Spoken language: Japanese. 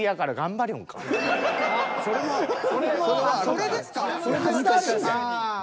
それですか？